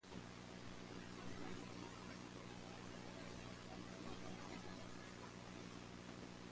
His speech set the record for a Senate filibuster.